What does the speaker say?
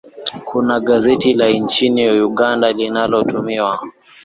kuna gazeti la nchini uganda linalotuhumiwa